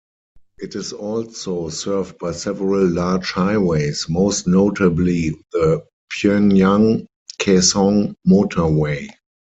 It is also served by several large highways, most notably the Pyongyang-Kaesong Motorway.